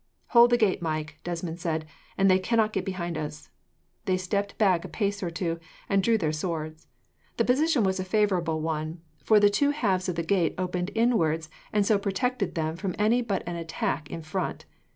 "Hold the gate, Mike," Desmond said, "and they cannot get behind us." They stepped back a pace or two, and drew their swords. The position was a favourable one, for the two halves of the gate opened inwards, and so protected them from any but an attack in front.